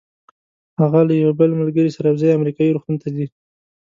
هغه له یوې بلې ملګرې سره یو ځای امریکایي روغتون ته ځي.